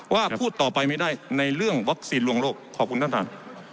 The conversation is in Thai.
พูดต่อไปไม่ได้ในเรื่องวัคซีนลวงโลกขอบคุณท่านท่าน